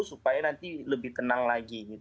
tapi nanti lebih tenang lagi gitu